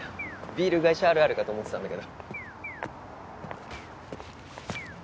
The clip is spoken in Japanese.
ビール会社あるあるかと思ってたんだけど。